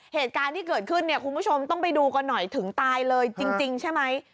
เหตุการณ์ที่เกิดขึ้นเนี่ยคุณผู้ชมต้องไปดูกันหน่อยถึงตายเลยจริงใช่ไหม